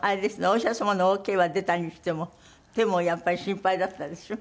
お医者様のオーケーは出たにしても手もやっぱり心配だったでしょ？